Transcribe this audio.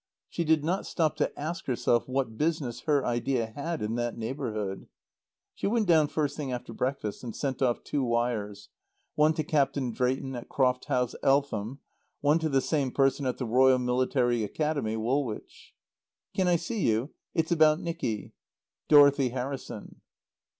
She did not stop to ask herself what business her idea had in that neighbourhood. She went down first thing after breakfast and sent off two wires; one to Captain Drayton at Croft House, Eltham; one to the same person at the Royal Military Academy, Woolwich. "Can I see you? It's about Nicky. "DOROTHY HARRISON."